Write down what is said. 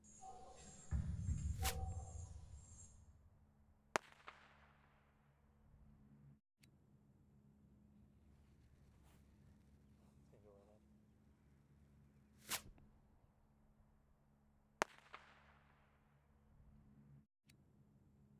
yalitokea juu ya jinsi gani sharia inaathiri raia wasio Waislamu Lugha